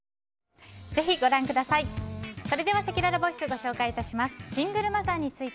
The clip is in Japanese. ぜひご覧ください。